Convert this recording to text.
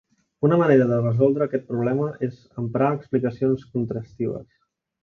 Una manera de resoldre aquest problema és emprar explicacions contrastives.